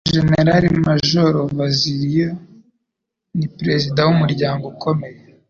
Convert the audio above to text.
Jenerali Majoro VassIlios Ni Perezida wumuryango ukomeye